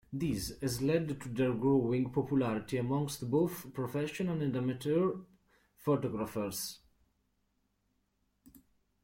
This has led to their growing popularity amongst both professional and amateur photographers.